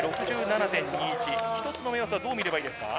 目安はどう見ればいいですか？